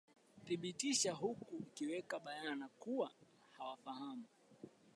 thibitisha huku akiweka bayana kuwa hawafahamu